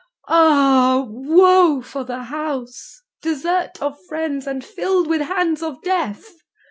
ah! Woe for the house, Desert of friends, and filled with hands of death!